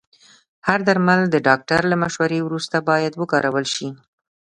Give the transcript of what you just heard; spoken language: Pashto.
هر درمل د ډاکټر له مشورې وروسته باید وکارول شي.